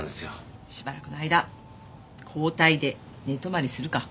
しばらくの間交代で寝泊まりするか。